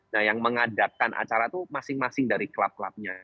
nah yang mengadapkan acara itu masing masing dari klub klubnya